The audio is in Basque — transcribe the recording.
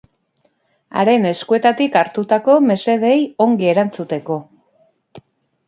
Haren eskuetatik hartutako mesedeei ongi erantzuteko.